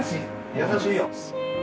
優しいよ。